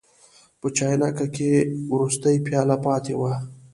په چاینکه کې وروستۍ پیاله پاتې وه.